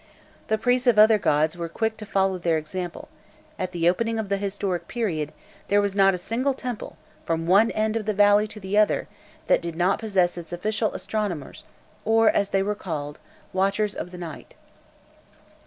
The priests of other gods were quick to follow their example: at the opening of the historic period, there was not a single temple, from one end of the valley to the other, that did not possess its official astronomers, or, as they were called, "watchers of the night."